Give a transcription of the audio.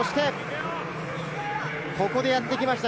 そしてここでやってきました